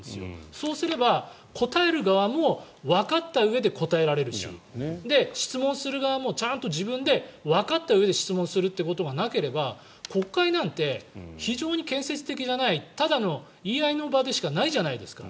そうすれば、答える側もわかったうえで答えられるし質問する側もちゃんと自分でわかったうえで質問するということがなければ国会なんて非常に建設的じゃないただの言い合いの場でしかないじゃないですか。